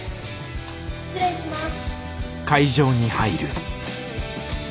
失礼します。